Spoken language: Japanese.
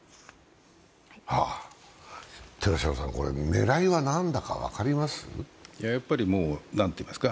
寺島さん、狙いは何だか分かります？